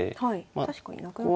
確かになくなってる。